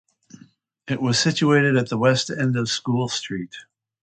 It was situated at the west end of School Street.